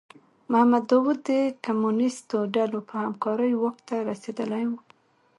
محمد داوود د کمونیستو ډلو په همکارۍ واک ته رسېدلی و.